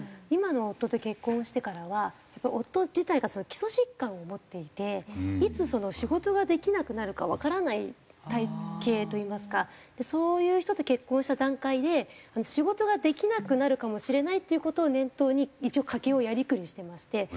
今の夫と結婚してからはやっぱり夫自体が基礎疾患を持っていていつ仕事ができなくなるかわからない体系といいますかそういう人と結婚した段階で仕事ができなくなるかもしれないっていう事を念頭に一応家計をやりくりしてまして。